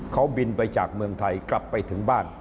เขาบินไปจากเมืองไทยกลับไปถึงบ้าน